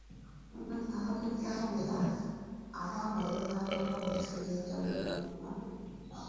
Abagenyi abawera aba wano n'abava mu nsi ez'enjawulo baakubaawo.